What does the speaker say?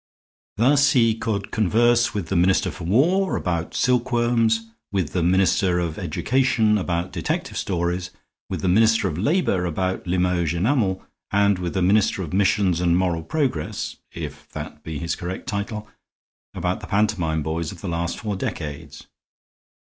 Thus he could converse with the Minister for War about silkworms, with the Minister of Education about detective stories, with the Minister of Labor about Limoges enamel, and with the Minister of Missions and Moral Progress (if that be his correct title) about the pantomime boys of the last four decades.